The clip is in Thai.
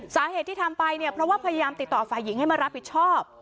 สาเหตุที่ทำไปเนี่ยเพราะว่าพยายามติดต่อฝ่ายหญิงให้มารับผิดชอบ